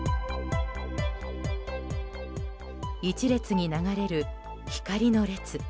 一列に流れる光の列。